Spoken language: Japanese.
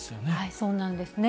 そうなんですね。